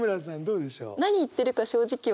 どうでしょう？